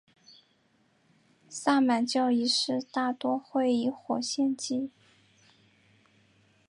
萨满教仪式大多会以火献祭。